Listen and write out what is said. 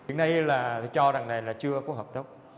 hiện nay là cho rằng này là chưa có hợp đốc